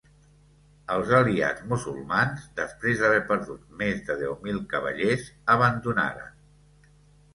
Els aliats musulmans, després d'haver perdut més de deu mil cavallers, abandonaren.